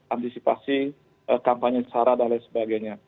antisipasi kampanye sara dan lain sebagainya